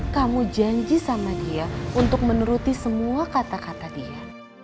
kamu janji sama dia untuk menuruti semua kata kata dia